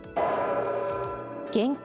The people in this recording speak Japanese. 現金